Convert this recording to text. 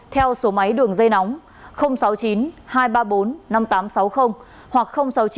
theo số máy đường dây nóng sáu mươi chín hai trăm ba mươi bốn năm nghìn tám trăm sáu mươi hoặc sáu mươi chín hai trăm ba mươi hai một nghìn sáu trăm sáu mươi bảy